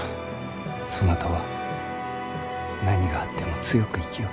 そなたは何があっても強く生きよ。